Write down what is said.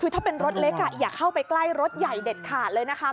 คือถ้าเป็นรถเล็กอย่าเข้าไปใกล้รถใหญ่เด็ดขาดเลยนะคะ